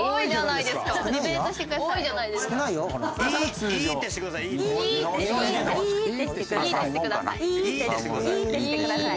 いー！早くいーってしてください。